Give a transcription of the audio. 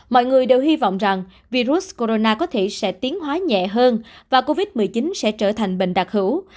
mọi người đều hy vọng rằng virus corona có thể sẽ tiến hóa nhẹ hơn và covid một mươi chín sẽ trở thành bệnh đặc hữu